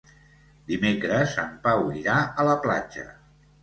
Dimecres en Pau irà a la platja.